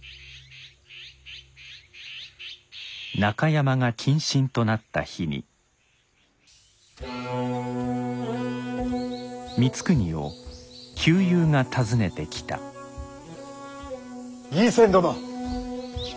中山が謹慎となった日に光圀を旧友が訪ねてきた義仙殿！